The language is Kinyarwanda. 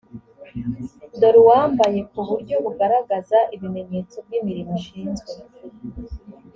dore uwambaye ku buryo bugaragaza ibimenyetso by imirimo ashinzwe